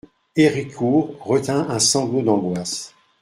Héricourt retint un sanglot d'angoisse.